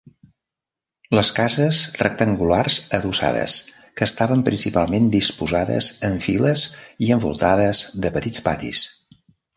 Les cases rectangulars adossades que estaven principalment disposades en files i envoltades de petits patis.